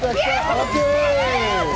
ＯＫ！